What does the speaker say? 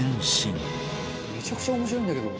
めちゃくちゃ面白いんだけど。